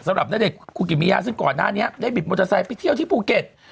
สำหรับณเดชนคูกิมิยาซึ่งก่อนหน้านี้ได้บิดมอเตอร์ไซค์ไปเที่ยวที่ภูเก็ต